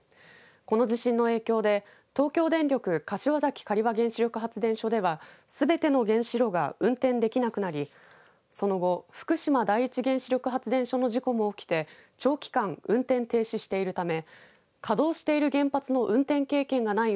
この地震の影響で東京電力柏崎刈羽原子力発電所ではすべての原子炉が運転できなくなりその後、福島第一原子力発電所の事故も起きて長期間、運転停止しているため稼働している原発の運転経験がない